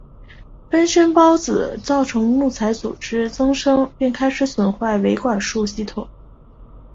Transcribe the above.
分生孢子造成木材组织增生并开始损害维管束系统。